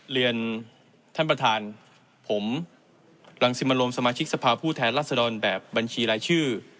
เรียนท่านประธานผมรังสิมโรมสมาชิกสภาพผู้แทนรัศดรแบบบัญชีรายชื่อ